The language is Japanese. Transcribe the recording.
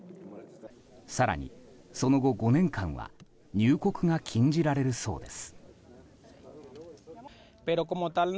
更に、その後５年間は入国が禁じられるそうです。